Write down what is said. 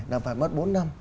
là phải mất bốn năm